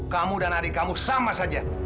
kamu dan adik kamu sama saja